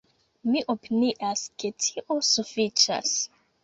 Mi opinias, ke tio sufiĉas!